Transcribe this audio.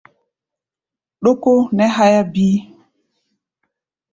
Dókó nɛ́ háyá bíí.